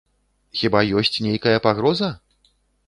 Хіба ёсць нейкая пагроза?